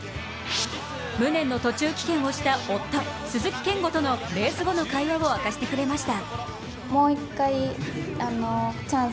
無念の途中棄権をした夫・鈴木健吾とのレース後の会話を明かしてくれました。